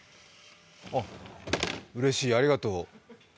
あっ、うれしい、ありがとう。